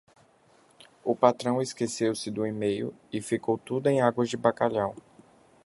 O patrão esqueceu-se do email e ficou tudo em águas de bacalhau.